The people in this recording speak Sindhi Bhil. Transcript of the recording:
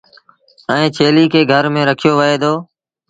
ائيٚݩ ڇيليٚ کي گھر ميݩ رکيو وهي دو۔